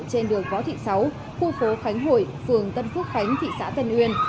trên đường võ thị sáu khu phố khánh hội phường tân phước khánh thị xã tân uyên